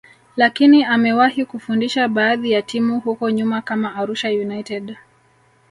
lakini amewahi kufundisha baadhi ya timu huko nyuma kama Arusha United